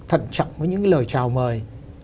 thận trọng với những lời chào mời